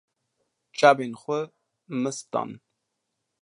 Çavên xwe mist dan.